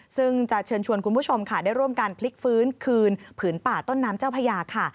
ซึ่งจะเชิญชวนคุณผู้ชมค่ะได้ร่วมกันพลิกฟื้นคืนผืนป่าต้นน้ำเจ้าพญาค่ะ